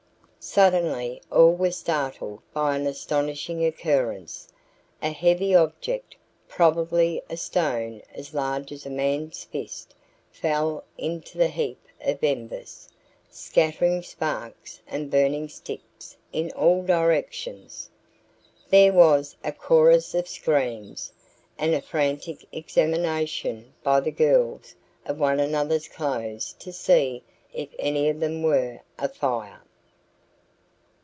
Suddenly all were startled by an astonishing occurrence. A heavy object, probably a stone as large as a man's fist, fell in the heap of embers, scattering sparks and burning sticks in all directions. There was a chorus of screams, and a frantic examination, by the girls, of one another's clothes to see if any of them were afire.